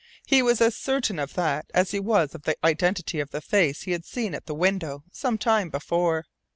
He was as certain of that as he was of the identity of the face he had seen at the window some time before.